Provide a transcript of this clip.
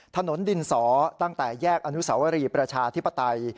ถนนดินสอตั้งแต่แยกอนุสาวรีประชาธิปไตย